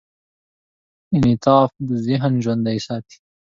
انعطاف ذهن ژوندي ساتي.